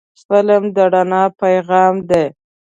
فلم د رڼا پیغام دی